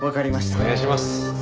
お願いします。